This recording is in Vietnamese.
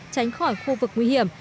tránh khỏi khu vực nguy hiểm